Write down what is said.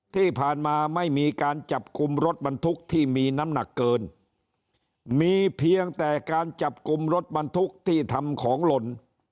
ที่ผ่านมาไม่มีการจับกลุ่มรถบรรทุกที่มีน้ำหนักเกินมีเพียงแต่การจับกลุ่มรถบรรทุกที่ทำของหล่น